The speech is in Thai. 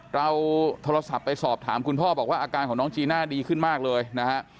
เราโทรศัพท์ไปสอบถามคุณพ่อบอกว่าอาการของน้องจีน่าดีขึ้นมากเลยนะฮะ